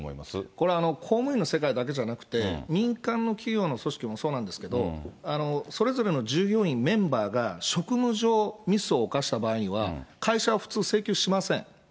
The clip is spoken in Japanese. これは公務員の世界だけじゃなくて、民間の企業の組織もそうなんですけど、それぞれの従業員、メンバーが職務上、ミスを犯した場合には、会社は普通請求しません。